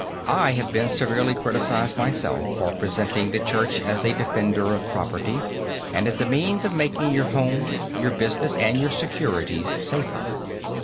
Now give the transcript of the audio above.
I have been severely criticized myself for presenting the Church as a defender of property and as a means of making your home, your business and your securities safer.